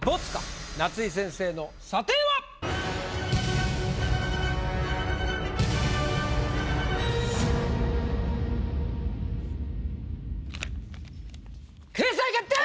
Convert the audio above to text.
夏井先生の査定は⁉掲載決定！